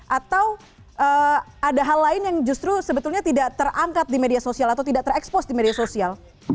atau ada hal lain yang justru sebetulnya tidak terangkat di media sosial atau tidak terekspos di media sosial